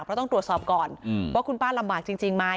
เพราะต้องตรวจสอบก่อนว่าคุณป้าลำบากจริงไหม